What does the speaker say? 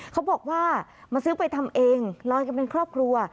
เขาบอกว่ามาซื้อไปทำเองลอยกันเป็นครอบครัว